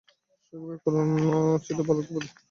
সুগভীর করুণা ছিল বালকদের প্রতি।